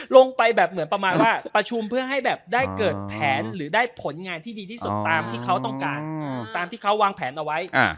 ลงไปแบบเหมือนประมาณว่าประชุมเพื่อให้แบบได้เกิดแผนหรือได้ผลงานที่ดีที่สุดตามที่เขาต้องการตามที่เขาวางแผนเอาไว้